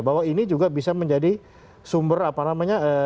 bahwa ini juga bisa menjadi sumber apa namanya